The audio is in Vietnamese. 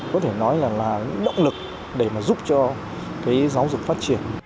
có thể nói là động lực để mà giúp cho giáo dục phát triển